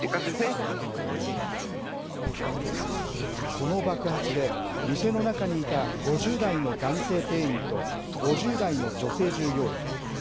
この爆発で、店の中にいた５０代の男性店員と、５０代の女性従業員。